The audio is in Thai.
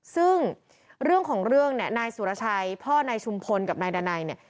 ซึ่งเรื่องของเรื่องเนี่ยนายสุรชัยพ่อนายชุมพลกับนายดานัยเนี่ย